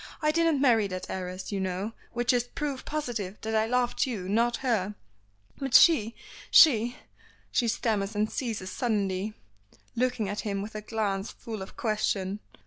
"I didn't marry that heiress, you know, which is proof positive that I loved you, not her." "But she she " she stammers and ceases suddenly, looking at him with a glance full of question.